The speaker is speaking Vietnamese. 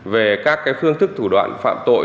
về các phương thức thủ đoạn phạm tội